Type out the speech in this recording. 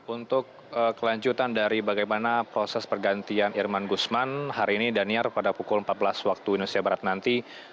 untuk kelanjutan dari bagaimana proses pergantian irman gusman hari ini daniar pada pukul empat belas waktu indonesia barat nanti